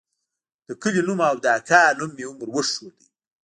د کلي نوم او د اکا نوم مې هم وروښود.